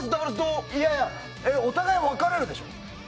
お互い、分かれるでしょ。